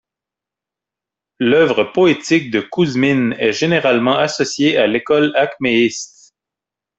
L'œuvre poétique de Kouzmine est généralement associée à l'école acméiste.